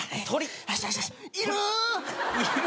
いる？